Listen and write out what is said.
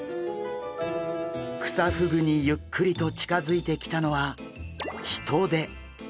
クサフグにゆっくりと近づいてきたのはヒトデ！